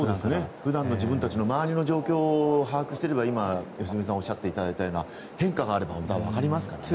普段の自分たちの周りの状況を把握していれば今、良純さんがおっしゃっていただいたような変化があればわかりますからね。